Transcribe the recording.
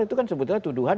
itu kan sebetulnya tuduhan